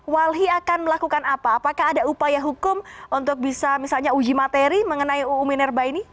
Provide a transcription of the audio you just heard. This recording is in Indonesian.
walhi akan melakukan apa apakah ada upaya hukum untuk bisa misalnya uji materi mengenai uu minerba ini